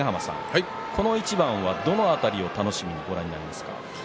この一番はどの辺りを楽しみにご覧になりますか。